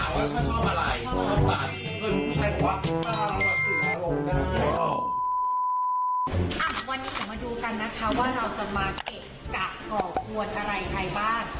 วันนี้เดี๋ยวมาดูกันนะคะว่าเราจะมาเกะกะก่อกวนอะไรใครบ้าง